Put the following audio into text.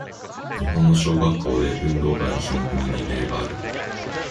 日本の小学校で、運動会の種目にリレーがある。